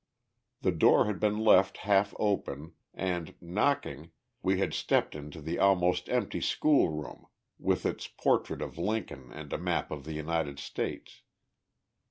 The door had been left half open, and, knocking, we had stepped into the almost empty schoolroom, with its portrait of Lincoln and a map of the United States.